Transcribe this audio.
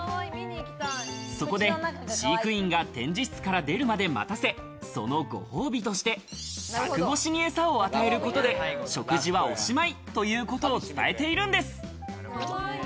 そこで飼育員が展示室から出るまで待たせ、そのご褒美として柵越しに餌を与えることで、食事はおしまいということを伝えているんです。